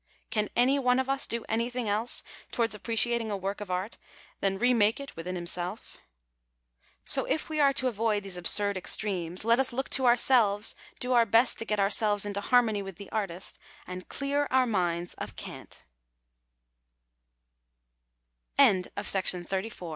Can any one of us do anything else towards appreciating a work of art than remake it within himself? So, if we are to avoid these absurd extremes, let us look to ourselves, do our best to get ourselves into harmony \vith the artist, and